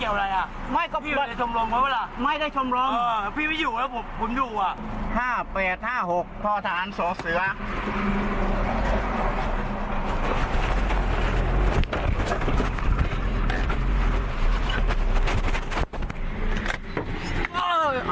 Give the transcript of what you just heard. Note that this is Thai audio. เอ่อพี่ทำไมชั้นออกอย่างนี้